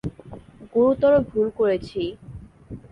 গুরুতর ভুল করেছি।